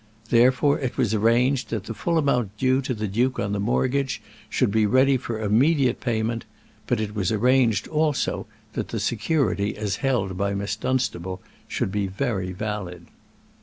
Therefore it was arranged that the full amount due to the duke on mortgage should be ready for immediate payment; but it was arranged also that the security as held by Miss Dunstable should be very valid.